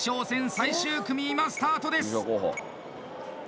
最終組、今、スタートです。